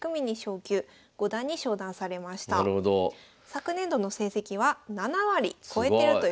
昨年度の成績は７割超えてるということで。